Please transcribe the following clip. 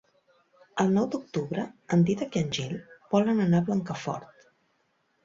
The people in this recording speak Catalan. El nou d'octubre en Dídac i en Gil volen anar a Blancafort.